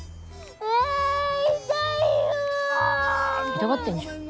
痛がってんじゃん。